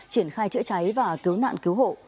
triển khai chữa cháy và cứu nạn cứu hộ